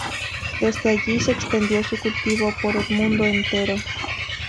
Desde allí se extendió su cultivo por el mundo entero.